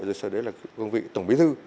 rồi sau đó là quân vị tổng bí thư